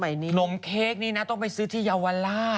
ในอีกคนบอกว่า